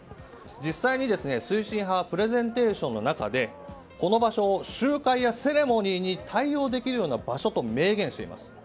実際に、推進派はプレゼンテーションの中でこの場所を集会やセレモニーに対応できるような場所と明言しています。